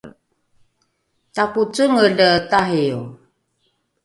takocengele tario